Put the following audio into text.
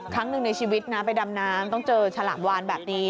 ครั้งหนึ่งในชีวิตนะไปดำน้ำต้องเจอฉลามวานแบบนี้